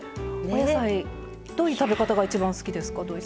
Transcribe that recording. お野菜どういう食べ方が一番好きですか。